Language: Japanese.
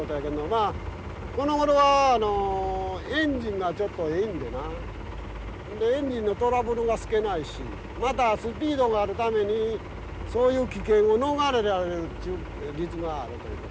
まあこのごろはエンジンがちょっとええんでなエンジンのトラブルが少ないしまたスピードがあるためにそういう危険を逃れられるということやね。